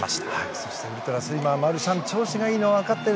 そしてウルトラスイマーマルシャン調子がいいのは分かっている。